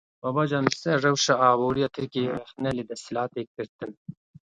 Babacan li ser rewşa aboriya Tirkiyeyê rexne li desthilatê girtin.